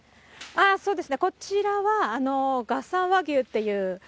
ああ、そうですね、こちらは月山和牛っていう。